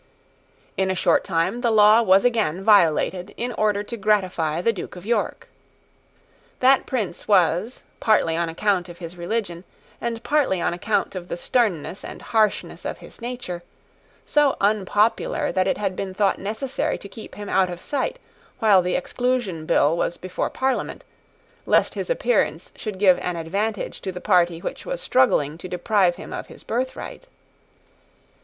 In a short time the law was again violated in order to gratify the Duke of York. That prince was, partly on account of his religion, and partly on account of the sternness and harshness of his nature, so unpopular that it had been thought necessary to keep him out of sight while the Exclusion Bill was before Parliament, lest his appearance should give an advantage to the party which was struggling to deprive him of his birthright.